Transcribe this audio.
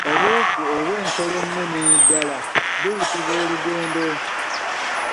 Obuufu obw’ensolo ennene ddala buyitibwa olugendo.